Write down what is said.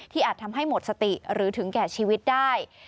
อาจทำให้หมดสติหรือถึงแก่ชีวิตได้